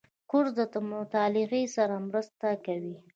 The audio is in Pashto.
کورس د مطالعې سره مرسته کوي.